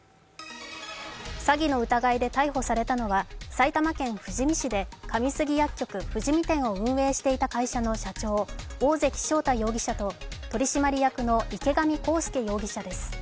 詐欺の疑いで逮捕されたのは埼玉県富士見市で上杉薬局富士見店を運営していた会社の社長大関翔太容疑者と取締役の池上康祐容疑者です。